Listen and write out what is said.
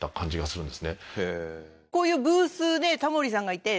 こういうブースでタモリさんがいて。